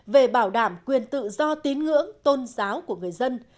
về bảo đảm quyền tự do tín ngưỡng tôn giáo của người dân